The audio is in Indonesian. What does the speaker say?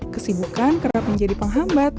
kesibukan kerap menjadi penghambat